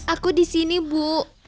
aku di sini bu